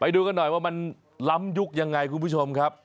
ดูกันหน่อยว่ามันล้ำยุคยังไงคุณผู้ชมครับ